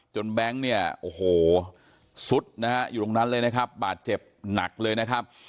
แบงค์เนี่ยโอ้โหสุดนะฮะอยู่ตรงนั้นเลยนะครับบาดเจ็บหนักเลยนะครับ